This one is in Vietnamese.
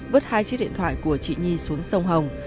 vứt hai chiếc điện thoại của chị nhi xuống sông hồng